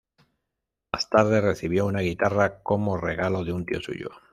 Más tarde recibió una guitarra como regalo de un tío suyo.